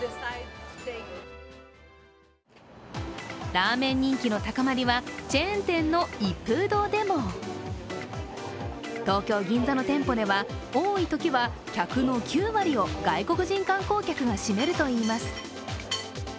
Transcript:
ラーメン人気の高まりはチェーン店の一風堂でも東京・銀座の店舗では多いときは客の９割を外国人観光客が占めるといいます。